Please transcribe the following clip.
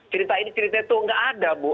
cerita ini cerita itu nggak ada bu